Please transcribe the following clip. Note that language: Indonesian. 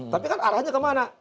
tapi kan arahnya kemana